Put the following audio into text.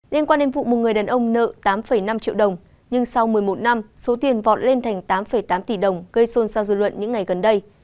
liên quan đến vụ một người đàn ông nợ tám năm triệu đồng nhưng sau một mươi một năm số tiền vọt lên thành tám tám tỷ đồng gây xôn xao dư luận những ngày gần đây